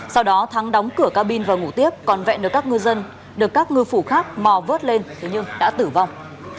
sau đó thắng đóng cửa ca bin và ngủ tiếp còn vẹn được các ngư phủ khác mò vớt lên thế nhưng đã tử vong